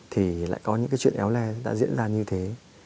thì lại có những cái chuyện éo le đã diễn ra như thế